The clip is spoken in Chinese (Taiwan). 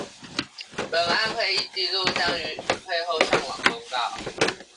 本案會議紀錄將於會後上網公告